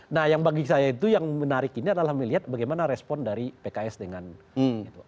nah yang bagi saya itu yang menarik ini adalah melihat bagaimana respon dari pks dengan itu